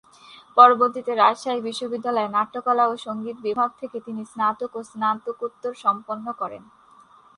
পরবর্তীতে রাজশাহী বিশ্ববিদ্যালয়ে নাট্যকলা ও সঙ্গীত বিভাগ থেকে তিনি স্নাতক ও স্নাতকোত্তর সম্পন্ন করেন।